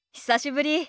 久しぶり。